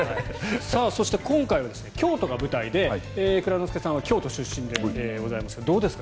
そして、今回は京都が舞台で蔵之介さんは京都出身ですがどうですか？